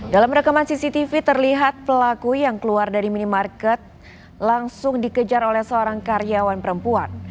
dalam rekaman cctv terlihat pelaku yang keluar dari minimarket langsung dikejar oleh seorang karyawan perempuan